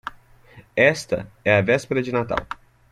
Esta é a véspera de Natal.